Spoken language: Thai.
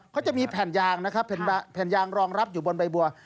เขาจะมีแผ่นยางนะครับแผ่นยางรองรับอยู่บนใบบัว